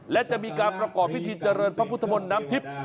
และจะมีการประกอบพิธีเจริญพระพุทธมนต์น้ำทิพย์